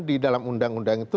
di dalam undang undang itu